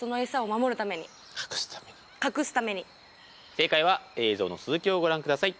正解は映像の続きをご覧ください。